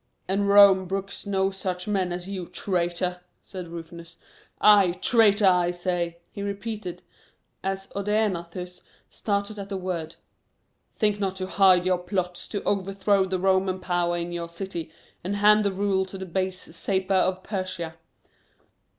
"And Rome brooks no such men as you, traitor," said Rufinus. "Ay, traitor, I say," he repeated, as Odaenathus started at the word. "Think not to hide your plots to overthrow the Roman power in your city and hand the rule to the base Sapor of Persia.